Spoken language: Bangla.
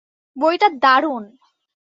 বইটা দারুণ।